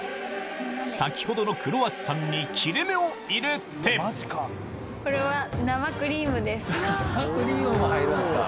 先ほどのクロワッサンに切れ目を入れて生クリームも入るんすか？